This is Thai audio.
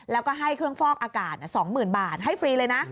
แล้วก็ให้เครื่องฟอกอากาศ๒๐๐๐บาทให้ฟรีเลยนะ